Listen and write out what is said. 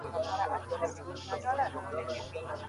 کبابي ته وویل شول چې د مشتریانو لپاره کبابونه چمتو کړي.